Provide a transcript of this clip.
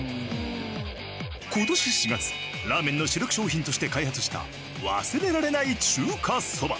今年４月ラーメンの主力商品として開発した忘れられない中華そば。